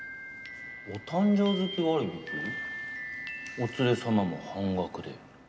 「お連れ様も半額で」。